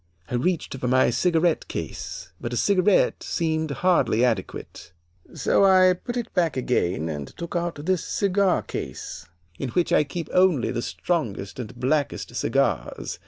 I reached for my cigarette case, but a cigarette seemed hardly adequate, so I put it back again and took out this cigar case, in which I keep only the strongest and blackest cigars.